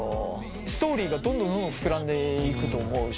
ストーリーがどんどんどんどん膨らんでいくと思うし。